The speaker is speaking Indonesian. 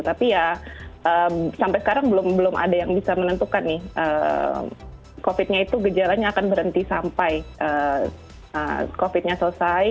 tapi ya sampai sekarang belum ada yang bisa menentukan nih covid nya itu gejalanya akan berhenti sampai covid nya selesai